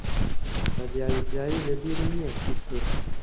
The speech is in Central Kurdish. بەدیاریکراوی لەبیرم نییە چیت گوت.